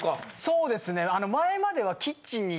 そうですね。